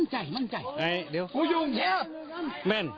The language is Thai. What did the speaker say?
มึงถ่ายกูเลย